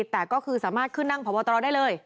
แต่ก็คือสามารถขึ้นนั่งพบตรได้เลย